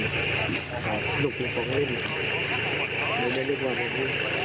อาจเป็นลูกของลิ่นไม่มีลูกหวานแบบนี้